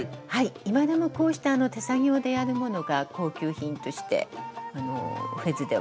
今でもこうした手作業でやるものが高級品としてフェズでは。